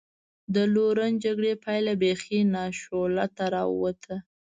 د لورن جګړې پایله بېخي ناشولته را ووته.